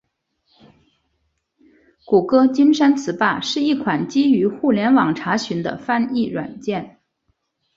谷歌金山词霸是一款基于互联网查询的翻译软件。